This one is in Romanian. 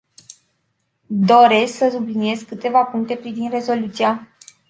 Doresc să subliniez câteva puncte privind rezoluția.